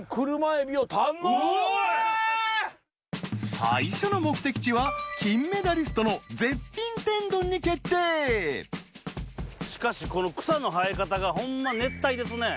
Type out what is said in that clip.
最初の目的地は金メダリストの絶品天丼に決定草の生え方がほんま熱帯ですね。